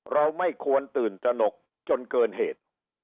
เราไม่ควรตื่นระนจุดละเขต